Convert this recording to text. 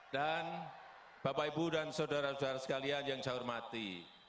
dan bapak ibu dan saudara saudara sekalian yang saya hormati